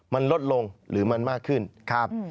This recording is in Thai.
มันลดลงหรือมันมากขึ้นครับ